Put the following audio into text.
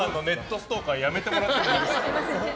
ストーカーやめてもらっていいですか。